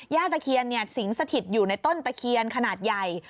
ญาติตะเขียนเนี่ยสิงสถิตอยู่ในต้นตะเขียนขนาดใหญ่